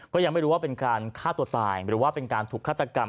ก็ยังไม่รู้ว่าเป็นการฆ่าตัวตายหรือว่าเป็นการถูกฆาตกรรม